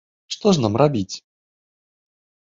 Што ж нам рабіць?